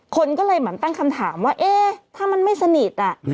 คนก็เลยเหมือนตั้งคำถามว่าเอ๊ะถ้ามันไม่สนิท